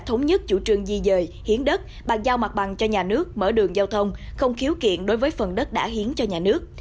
thống nhất chủ trương di dời hiến đất bàn giao mặt bằng cho nhà nước mở đường giao thông không khiếu kiện đối với phần đất đã hiến cho nhà nước